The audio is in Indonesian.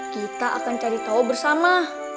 kita akan cari tahu bersama